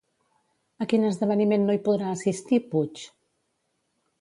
A quin esdeveniment no hi podrà assistir, Puig?